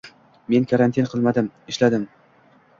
Men karantin qilmadim, ishladim